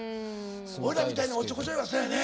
俺らみたいなおっちょこちょいはそやね